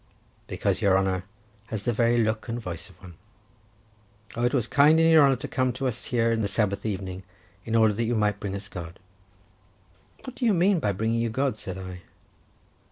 "Because your honour has the very look and voice of one. Oh, it was kind of your honour to come to us here in the Sabbath evening, in order that you might bring us God." "What do you mean by bringing you God?" said I.